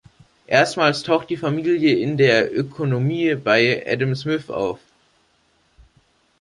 Erstmals taucht die Familie in der Ökonomie bei Adam Smith auf.